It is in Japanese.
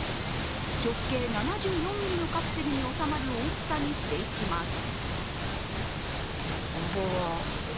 直径７４ｍｍのカプセルに収まる大きさにしていきます。